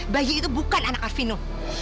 bayi itu bukan anak arvino